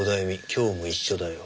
今日も一緒だよ」